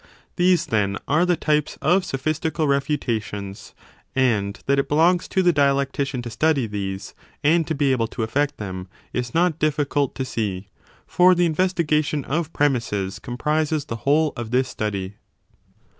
These, then, are the types of sophistical refutations : and 5 that it belongs to the dialectician to study these, and to be able to effect them, is not difficult to see : for the investiga tion of premisses comprises the whole of this study.